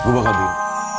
gue bakal beli